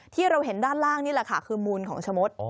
ที่เราเห็นด้านล่างนี่แหละค่ะคือมูลของชะมด